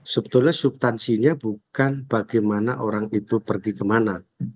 sebetulnya subtansinya bukan bagaimana orang itu pergi kemana